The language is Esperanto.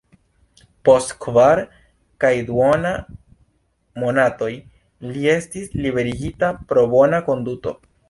Post kvar kaj duona monatoj li estis liberigita pro bona konduto.